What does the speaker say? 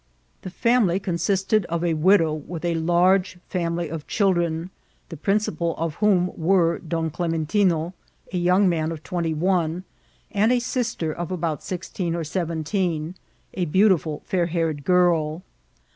The femily consisted of a widow with a large family of childieni the principal of whom were Don Clementinoi a young man of twenty one, and a sister of about sixteen or seventeeni a beautiful fair haired girl.